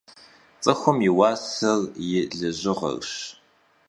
Ts'ıxum yi vuaser yi lejığerş.